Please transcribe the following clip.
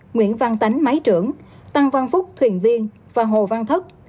nguyễn văn tán máy trưởng tăng văn phúc thuyền viên và hồ văn thất